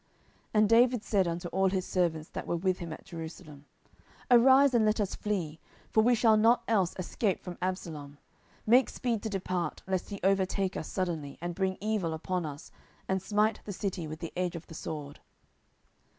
10:015:014 And David said unto all his servants that were with him at Jerusalem, Arise, and let us flee; for we shall not else escape from Absalom: make speed to depart, lest he overtake us suddenly, and bring evil upon us, and smite the city with the edge of the sword.